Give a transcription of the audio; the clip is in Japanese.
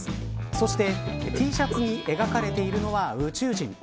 そして、Ｔシャツに描かれているのは宇宙人。